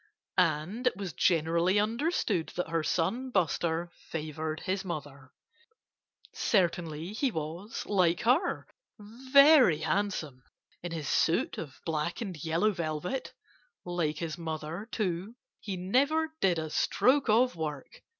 And it was generally understood that her son Buster favored his mother. Certainly he was like her very handsome, in his suit of black and yellow velvet. Like his mother, too, he never did a stroke of work.